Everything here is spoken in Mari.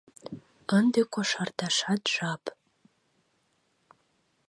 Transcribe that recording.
Ынде кошарташат жап.